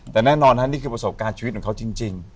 แต่แน่นอนฮะนี่คือประสบการณ์ชีวิตของเขาจริง